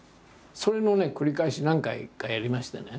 それの繰り返し何回かやりましてね。